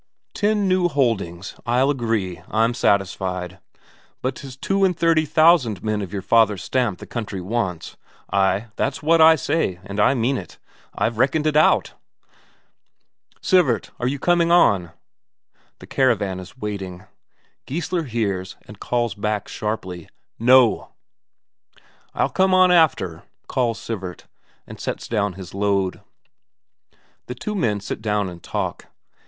"Ten new holdings. I'll agree. I'm satisfied. But 'tis two and thirty thousand men of your father's stamp the country wants. Ay, that's what I say, and I mean it; I've reckoned it out." "Sivert, are you coming on?" The caravan is waiting. Geissler hears, and calls back sharply: "No." "I'll come on after," calls Sivert, and sets down his load. The two men sit down and talk.